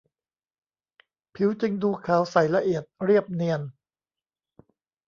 ผิวจึงดูขาวใสละเอียด เรียบเนียน